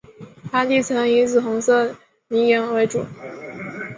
该地层以紫红色泥岩为主。